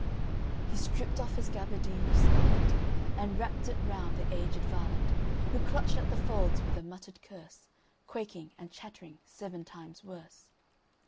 He stripped off his gaberdine of scarletAnd wrapped it round the aged varlet, Who clutched at the folds with a muttered curse, Quaking and chattering seven times worse.